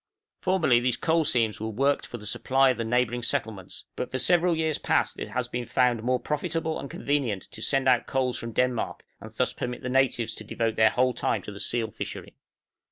Formerly these coal seams were worked for the supply of the neighboring settlements, but for several years past it has been found more profitable and convenient to send out coals from Denmark, and thus permit the natives to devote their whole time to the seal fishery. {COALING WAIGAT SCENERY.